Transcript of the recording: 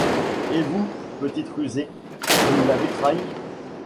Et vous, petite rusée, vous l’avez trahi.